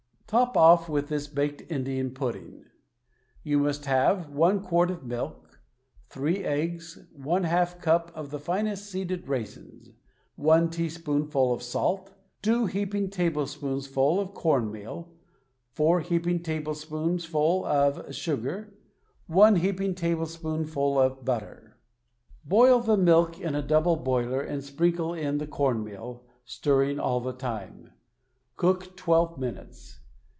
Top off with this baked Indian pudding: You must have i quart of milk, 3 eggs, J^ cup of the finest seeded raisins, i teaspoonful of salt, 2 heaping tablespoonsful of corn meal, 4 heaping tablespoonsful of sugar, I heaping tablespoonful of butter. WRITTEN FOR MEN BY MEN Boil the milk in a double boiler and sprinkle in the com meal, stirring all the time. Cook twelve minutes.